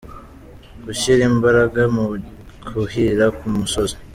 Gushyira imbaraga mu kuhira ku musozi.